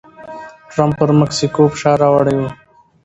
ټرمپ پر مکسیکو فشار راوړی و.